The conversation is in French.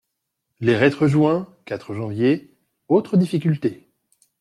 Les reîtres joints (quatre janvier), autre difficulté.